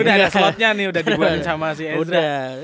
duga ada slotnya nih udah dibuat sama si esra